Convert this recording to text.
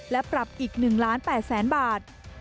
และปรับอีก๑ล้าน๘แสนบาท